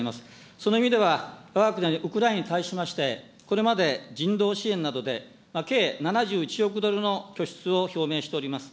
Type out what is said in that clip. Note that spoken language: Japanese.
その意味では、わが国のウクライナに対しまして、これまで人道支援などで計７１億ドルの拠出を表明しております。